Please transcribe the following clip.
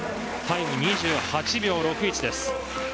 タイムは２８秒６１です。